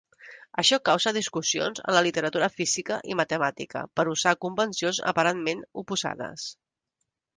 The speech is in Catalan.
Això causa discussions en la literatura física i matemàtica per usar convencions aparentment oposades.